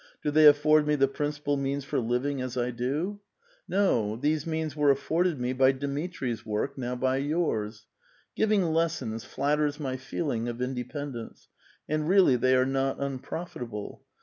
do they afford me the principal means for living a? I do? No ; these means were afforded me by Dmitri's work, now by yours. Giving lessons flatters my feeling of independence ; and really they are not unprofitable.